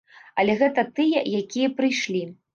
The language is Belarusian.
Але гэта тыя, якія прыйшлі.